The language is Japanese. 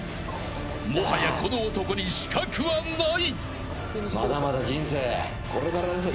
もはやこの男に死角はない。